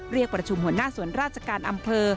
เรียกประชุมหัวหน้าสวนราชการอำเภอ